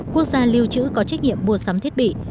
quốc gia lưu trữ có trách nhiệm mua sắm thiết bị